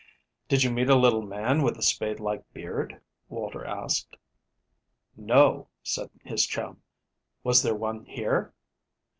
"Did you meet a little man with a spade like beard?" Walter asked. "No," said his chum. "Was there one here?"